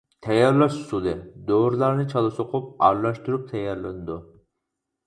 تەييارلاش ئۇسۇلى: دورىلارنى چالا سوقۇپ ئارىلاشتۇرۇپ تەييارلىنىدۇ.